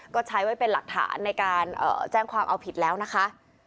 ก็ใช้ไว้เป็นหลักฐานในการแจ้งความเอาผิดแล้วนะคะ